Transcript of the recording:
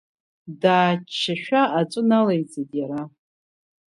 Дааччашәа аҵәы налеиҵеит иара.